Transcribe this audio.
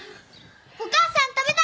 お母さん食べたい！